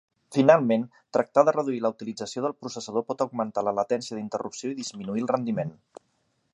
Finalment, tractar de reduir la utilització del processador pot augmentar la latència d'interrupció i disminuir el rendiment.